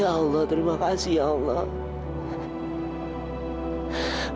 ya allah terima kasih ya allah